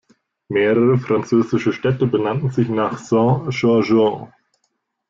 Mehrere französische Städte benannten sich nach Saint-Gorgon.